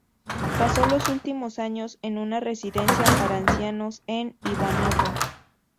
Pasó los últimos años en una residencia para ancianos en Ivanovo.